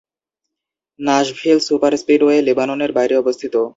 নাশভিল সুপারস্পিডওয়ে লেবাননের বাইরে অবস্থিত।